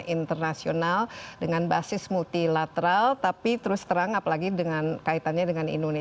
itu yang saya lihat seperti itu